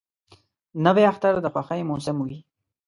نوی اختر د خوښۍ موسم وي